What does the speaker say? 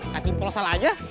katin kalau salah aja